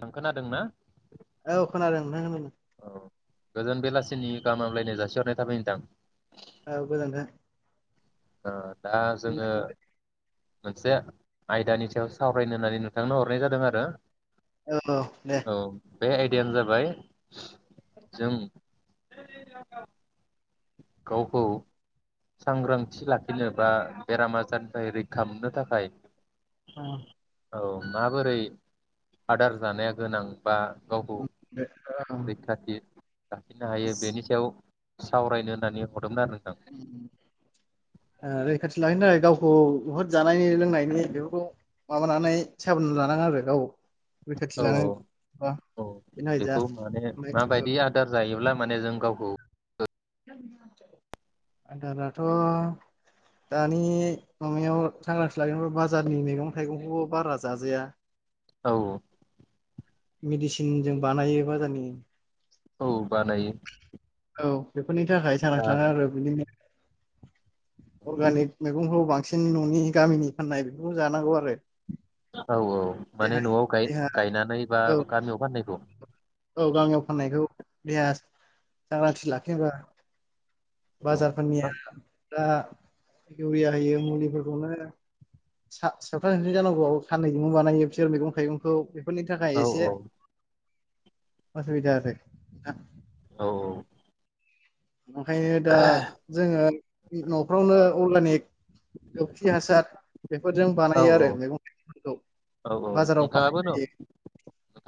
नों खोनादों ना औ खोनादों नोंथां खोनादों। औ गोजोन बेलासिनि गाहाम हमलायनाय जासिहरनाय थाबाय नोंथां औ गोजोनथों अ दा जोङो मोनसे आयदानि सायाव सावरायनो होननानै नोंथांनो हरनाय जादों आरो औ दे औ बे आयदायानो जाबाय जों गावखौ सांग्रांथि लाखिनो बा बेराम आजारनिफ्राय रैखा मोननो थाखाय औ औ माबोरै आदार जानाया गोनां बा गावखौ दे रैखाथि लाफिननो हायो बेनि सायाव सावरायनो होन्नानै ह ओ रैखाथि लाहैनो थाखाय गावखौ खौ बहुद जानायनि लोंनायनि बेफोरखौ माबानानै साबोन ला आरो गाव रैखाथि औ लानो औ बा औ बेनि थाखाय जा बेखौ माने ओमफ्राय माबायदि आदार जायोब्ला माने जों गावखौ आदाराथ' दानि माबायाव सांग्रां सि लाै बाजारनि मैगं थाइगंखौबो बारा जाजाया औ मेडिसिन जों बानायो बाजारनि औ बानायो औ बेफोरनि थाखाय दा सांग्रांथि लाना आरो बिदिनो अर्गानिक मैगंखौ बांसिन न'नि गामिनि फाननाय बेफोरखौ जानांगौ आरो औ औ देहा माने न'आव गाय देहा गायनानै बा औ गामियाव फाननायखौ औ गामियाव फाननायखौ [unintelligible] सांग्रांथि लाखिनांगो आरो औ बाजारफोरनि दा इउरिया होयो मुलिफोरखौनो सा साबथां सस्रि जानांगौ साननैजोंबो बानायो बिसोर मैगं थाइगंखौ फोरनि थाखाय औ औ एसे असबिदा आरो औ औ ओंखायनो दा जोङो न'फ्रावनो अर्गानिक गोबोरखि हासार बेफोरजों औ बानायो आरो मैगं थाइगंफोरखौ औ बाजाराव फाननाय जायो।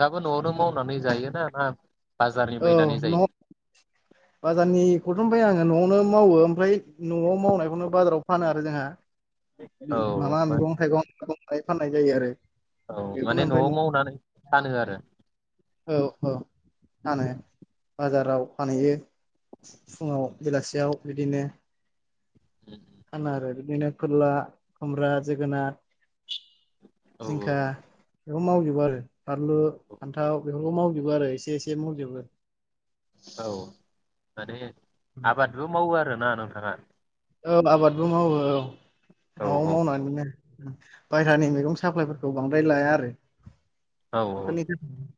दाबो न'आवनो मावनानै जायोना ना बाजारनि औ बायनानै न' जायो बाजारनिखौथ' बाया आङो न'आवनो मावो ओमफ्राय न'आव मावनायखौनो बाजाराव फानो आरो जोंहा। माबा औ मैगं थाइगं फाननाय जायो आरो। औ बेखौनो माने ओमफ्राय न'आव न' मावनानै फानो आरो। औ औ फानो बाजाराव फानहैयो फुङाव बेलासियाव बिदिनो फानो आरो बिदिनो फोरला खुमब्रा जोगोनार औ जिंखा बेखौ मावजोबो आरो फानलु फान्थाव बेफोरखौ मावजोबो आरो एसे एसे मावजोबो। औ माने आबादबो मावङो आ ना नोंथाङा? औ आबादबो मावो औ। औ न'आव मावनानै मोनो। बायहेरानि मैगं साप्लायफोरखौ बांद्राय लाया आरो। औ औ [unintelligible]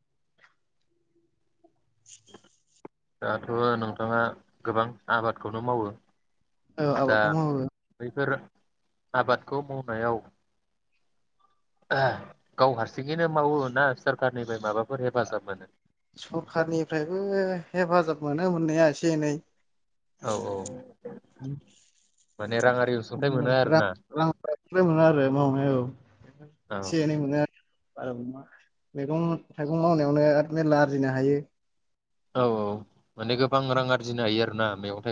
दाथ' नोंथाङा गोबां आबादखौनो मावो। औ दा आबादखौ मावो बैफोर आबादखौ मावनायाव गाव हारसिङैनो मावो ना सोरखारनिफ्राय माबाफोर हेफाजाब मोनो? मानो मोननाया एसे एनै। औ औ माने [unintelligible] राङारि अनसुंथाइ आरोना मोनो आरो मावनायाव औ औ एसे एनै मोनो मैगं थाइगं मावनायावनो मेल्ला आरजिनो हायो। औ औ। माने गोबां रां आरिजिनो हायो आरो। ना मैग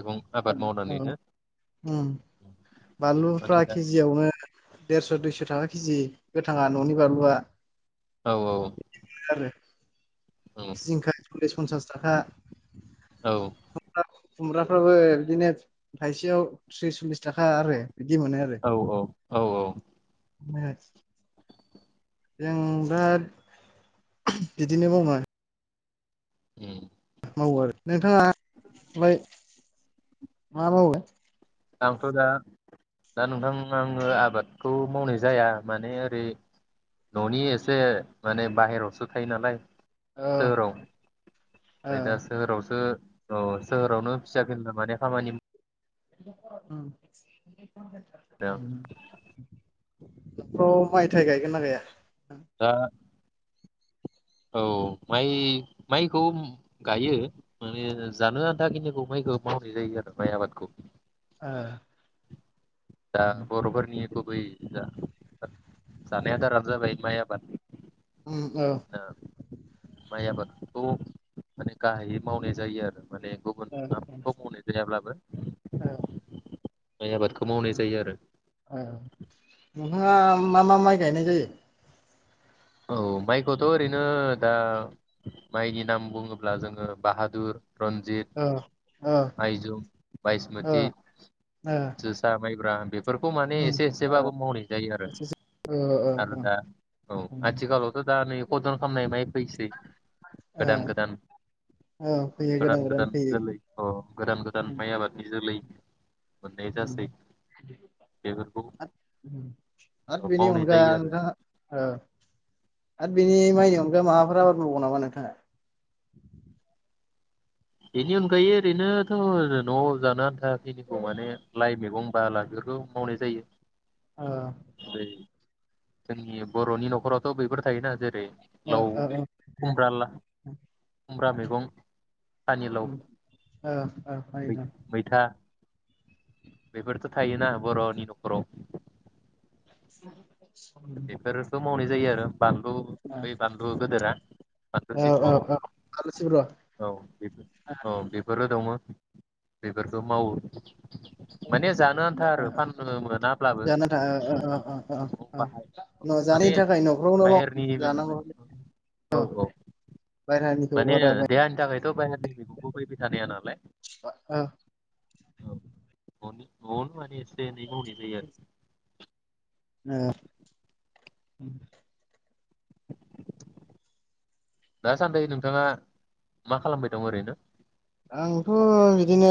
औ ओम माने बानलुफ्रा दा केजियावनो देरस' दुइस' थाखा के जि। गोथाङा न'नि बानलुआ औ औ। आरो औ जिंखा सललिस पन्सास जाखा औ। खुमब्राफ्राबो बिदिनो थाइसेयाव थ्रिस सललिस थाखा आरो। बिदि मोनो आरो औ औ। औ औ। [unintelligible] जों दा बिदिनो मावबा। उम्म। मावो आरो नोंथांङा ओमफ्राय मा मावो? आंथ' दा दा नोंथां आंङो आबादखौ मावनाय जाया माने ओरै न'नि एसे माने बाहेरायावसो थायो नालाय। ओ सोहोराव ओ ओमफ्राय दा सोहोरावसो औ सोहोरावनो फिसा फिनला माने खामानि ओं। दं। [unintelligible] [inaudible] फ्राव माइ थाइ गायगोन ना गाया? दा औ माइ माइखौ गायो माने जानो आन्थाखिनिखौ माइखौ मावनाय जायो आरो माइ आबादखौ। ओ। दा बर'फोरनि गुबै जा-जानाय आदारा जाबाय माइ आबाद। उम्म ओ माइ आबादखौ माने गाहायै मावनाय जायो आरो। माने गुबुन ओ ओ आबादखौ मावनाय जायाब्लाबो ओ। माइ आबाद औ नोंहा मा मा माइ गायनाय जायो? औ माइखौथ ओरैनो दा माइनि नाम बुङोब्ला जोंङो बाहादुर रन्जित, ओ ओ आइजुम, ओ बायसमथि, ओ जोसा माइ। ब्रा बेफ बेफोरखौ माने उम एसे ओ एसेबाबो मावनाय जायो आरो ओ ओ आरो दा औ। आथिखालावथ दा नै खदन खालामनाय माइ फैसै ओ गोदान गोदान ओ फैयो गोदान गोदान फैयो। जोलै अ गोदान गोदान माइ आबादनि जोलै। मोननाय जासै बेफोरखौ आरो बेनि मावनाय अनगा जायो आरो नोंथांङा ओ आरो बिनि माइनि अनगायै माबाफोरा आबादबबाव नामा नोंथांङा? बेनि अनगायै ओरैनो न'आव जानो आन्था खिनिखौ माने लाइ मेगं बाला बेफोरखौ मावनाय जायो। ओ ओरै जोंनि बर'नि नखरावथ' बैफोर थायोना जेरै ओ लाव, खुमब्रा ला खुमब्रा मैगं सानिलाव ओ ओ ओ मैथा बेफोरथ' थायोना बर'नि नखराव। [inaudible] औ बेफोरखौ मावनाय जायो आरो। बानलु बै बानलु गोदोरा बानलु सिब्र' औ औ बेफोरो दंमोन। बेफोरखौ मावो। माने जानो आन्था आरो फाननो मोनाब्लाबो। औ बाहाय न माने जानायनि थाखाय नखरावनो माव बाहेरनि [unintelligible] जानांगौ औ बायहारानि माने देहानि थाखायथ' बाहेरनि मैगंखौ फैबाय थानाया नालाय। ओ औ [unintelligible] न'आवनो माने एसे जनै मावनाय जायो आरो ओ। दासान्दि नोंथाङा मा खालामबाय दं ओरैनो? आंथ' बिदिनो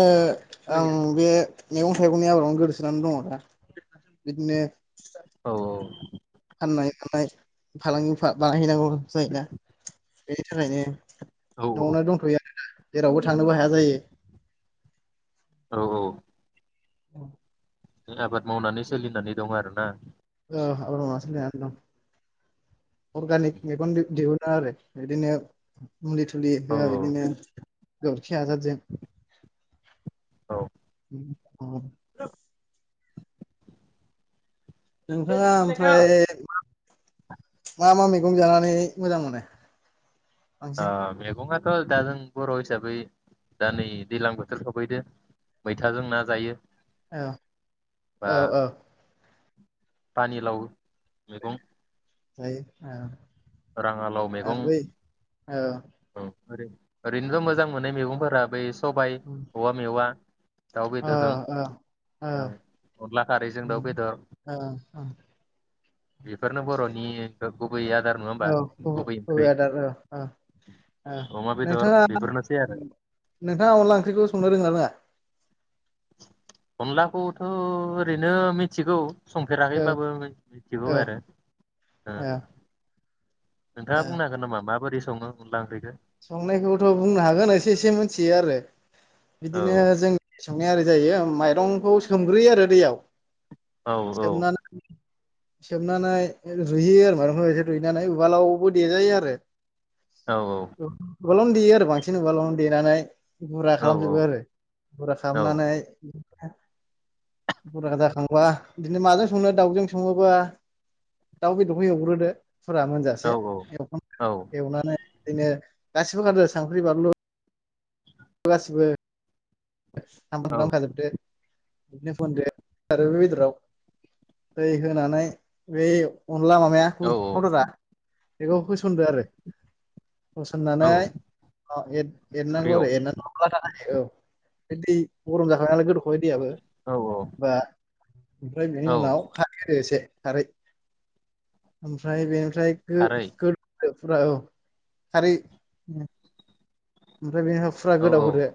आं बे मैगं थाइगंनि आबादावनो गोदोसोनानै दङ' दा। बिदिनो औ औ। नायानाय फालांगि बानायहैनांगौ जायोना बेनि थाखायनो औ न'आवनो दंथयो आरो दा। जेरावबो थांनोबो हाया जायो। औ औ। औ। [inaudible] मावनानै सोलिनानै दं आरोना। औ आबाद मावनासो जानानै दं अर्गानिक मेगन दिहुनो आरो बिदिनो मुलि थुलि औ होआ बिदिनो गोबोरखि औ हासारजों [inaudible] नोंथाङा ओमफ्राय मा मा मै गं जानानै मोजां मोनो? ओ बांसिन मेगङाथ' दा जों बर' हिसाबै दा नै दैज्लां बोथोर सौफैदो मैथाजों ना जायो। औ बा औ औ। पानिलाव मेगं। जायो ओ। राङालाव मैगं औ ओै ओरैनोथ' मोजां मोननाय मैगंफोर फ्राबो सबाइ ओ औवा मेवा। दाउ ओ बेदरजों ओ औ अनला खारैजों दाउ बेदर। ओ बेफोरनो बर'नि गुबै आदार नङा। औ गुबै आदार औ ओ अमा बेदर नोंथाङा बेफोरनोसै आरो नोंथाङा अनला ओंख्रिखौ संनो रोंङोना रोङा। अनलाखौथ' ओरैनो मिथिगौ। औ संफेराखैबाबो मिथिगौ औ आरो ओ। औ औ नोंथाङा बुंनो हागोन नामा माबोरै। सङो अनला ओंख्रिखो। संनायखौथ' बुंनो हागोन एसे एसे मिथियो आरो। औ बिदिनो जों संनाय ओर जायो माइरंखौ सोमग्रोयो आरो दैयाव। औ सोमनानै। सोमनानै रुहोयो आरो माइरंखौ रुइनानै उवालावबो देजायो आरो। औ औ। उवालावनो देयो आरो बांसिन उवालावनो देनानै गुरा औ खालामजोबो आरो गुरा खालामनानै गुरा जाखांबा बिदिनो माजों संनो दाउजों सङोबा दाउ बेदरखौ एवग्रोदो फुरा मोनजासे औ एवफाम औ एवनानै बिनो गासिबो [inaudible] सांख्रि बानलु गासिबो। [unintelligible] औ बिदिनो [unintelligible] आरो बे बेदराव दै होनानै बै अनला मामाया औ [unintelligible] बेखौ होसनदो आरो। औ होसननानै एरनांगौ ओंख्रियाव आरो एरनांगौ औ। बि दै गरम जाखानायालाय गोदौ [unintelligible] औ औ बा ओमफ्राय बेनि औ उनाव खारै होदो एसे खारै ओमफ्राय बे। खारै [unintelligible] फुरा औ खारै ओमफ्राय बेहा फुरा औ गोदाव औ होरदो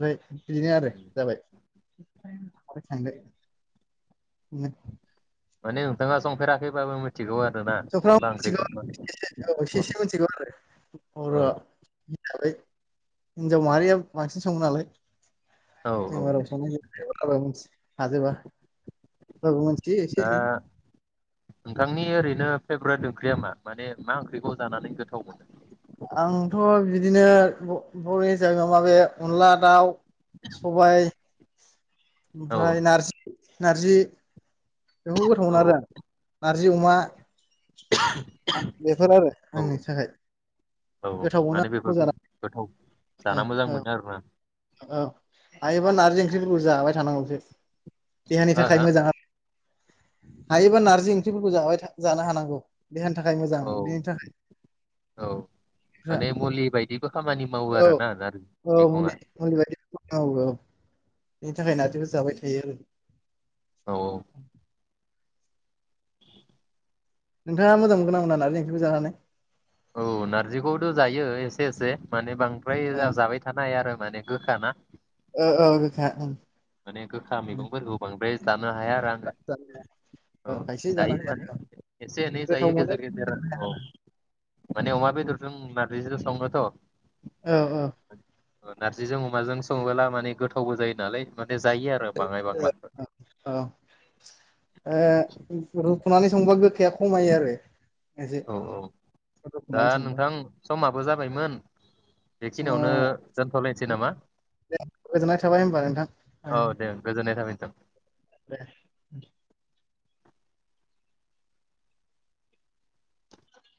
बे बिदिनो आरो उम। जाबाय [unintelligible] मारै थांदो माने नोंथाङा संफेराखैबाबो मोथ ओ फ्राम मिथिगौ [unintelligible] एसे औ एसे मिथिगौ आरो ह साबै हिनजाव माहारिया बांसिन सङो नालाय औ जों औ [unintelligible] औ मोनथियो एसे दा फेब्रेट ओंख्रिया मा माने मा ओंख्रिखौ जानानै गोथाव मोनो? आंथ' बिदिनो ब बर'नि हिसाबै अमा बे अनला दाउ सबाय औ ओमफ्राय नारज नारजि बेखौ गोथाव औ मोनो आरो आ जि अमा ओं बेफोर आरो औ आंनि थाखाय औ गोथाव माने मोनो बेफोरखौ मजाना गोथाव जाना मोजां मोनो आरोना औ हायोबा नारजि ओंख्रिफोरखौ जाबाय थानांगौसो। देहानि हो थाखाय मोजां आर हायोबा नारजि ओंख्रिफोरखौ जाबाय था जानो हानांगौ। देहानि थाखाय मोजां हो बेनि औ थाखाय औ माने मुलि बायदिबो खामानि मावो हो औ आरोना नारजि औ मैगङा मुलि मुलि बादि औ औ बेनि थाखाय नारजिखौ जाबाय थायो आरो औ औ नोंथाङा मोजां मोनगोना मोना नारजि ओंख्रिखौ जानानै? औ नारजिखौथ' जायो एसे एसे माने बां फ्राय ओ जाहा जाबाय थानो हाया आरो माने गोखा ना ओ ओ गोखा उम उम नो हाया आरो आङो जानाया औ खायसे जानो जायो माने हाया औ एसे एनै गोथाव जायो मोनो गेजेर खिन्थु गेजेर औ माने अमा बेदर जों नारजैजो सङोथ' औ ओ ओ नारजिजों अमाजों सङोबोला माने गोथावबो जायो नालाय माने जायो आरो बाङाय बांलाफोर औ हुनानै संबा गोखाया खमायो आरो एसे औ औ दा रुखुनानै संबा नोंथां समाबो जाबायमोन समा बेखिनियावनो दोनथ'लायनोसै नामा गोजोननाय थाबाय होनोमबा औ नोंथां दे [unintelligible] [unintelligible]